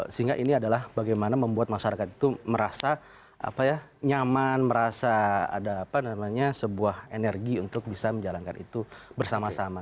sehingga ini adalah bagaimana membuat masyarakat itu merasa nyaman merasa ada sebuah energi untuk bisa menjalankan itu bersama sama